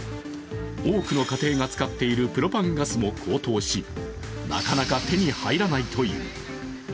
多くの家庭が使っているプロパンガスも高騰しなかなか手に入らないという。